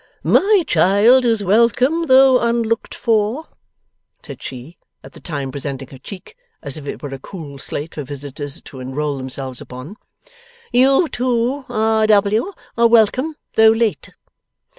'My child is welcome, though unlooked for,' said she, at the time presenting her cheek as if it were a cool slate for visitors to enrol themselves upon. 'You too, R. W., are welcome, though late.